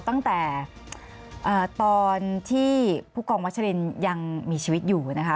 ตั้งแต่ตอนที่ผู้กองวัชรินยังมีชีวิตอยู่นะคะ